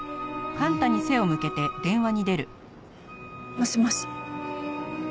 もしもし。